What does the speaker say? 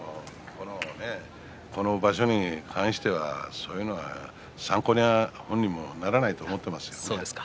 この場所に関してはそういうのは本人も参考にならないと思ってますよ。